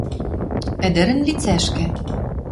Ӹдӹрӹн лицӓшкӹ